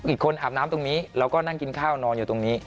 อีกคนอาบน้ำตรงนี้แล้วก็นั่งกินข้าวนอนอยู่ตรงนี้